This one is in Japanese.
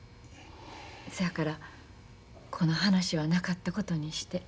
せやからこの話はなかったことにして。